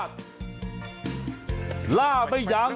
สวัสดีครับอย่าลืมส่งข้อความไลน์มาคุยกับเราครับ